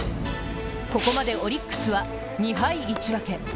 ここまでオリックスは、２敗１分け。